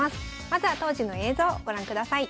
まずは当時の映像ご覧ください。